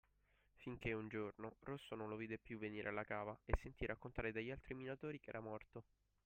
Finché, un giorno, Rosso non lo vide più venire alla cava e sentì raccontare dagli altri minatori che era morto.